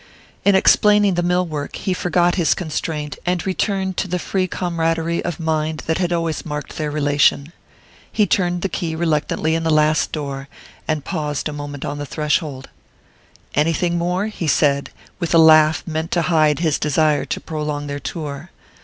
In explaining the mill work he forgot his constraint and returned to the free comradery of mind that had always marked their relation. He turned the key reluctantly in the last door, and paused a moment on the threshold. "Anything more?" he said, with a laugh meant to hide his desire to prolong their tour.